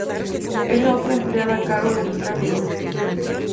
Es la otra empleada a cargo de los gráficos.